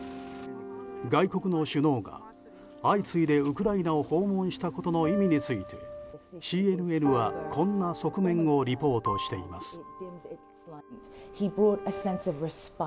外国の首脳が相次いでウクライナを訪問したことの意味についてＣＮＮは、こんな側面をリポートしています。